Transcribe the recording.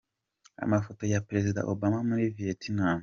Amafoto ya Perezida Obama muri Vietnam .